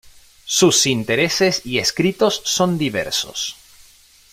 Sus intereses y escritos son diversos.